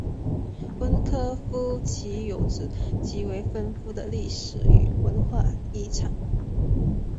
温科夫齐有着极为丰富的历史与文化遗产。